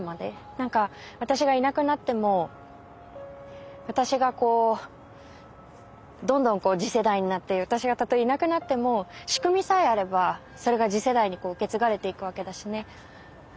私がいなくなっても私がこうどんどん次世代になって私がたとえいなくなっても仕組みさえあればそれが次世代に受け継がれていくわけだしね。